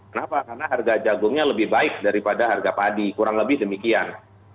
kenapa karena harga jagungnya lebih baik daripada harga padi kurang lebih demikian